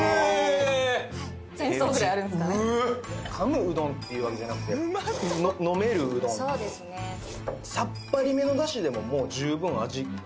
手打ちかむうどんっていうわけじゃなくて飲めるうどんそうですねさっぱりめのダシでももう十分味吸いつく感じ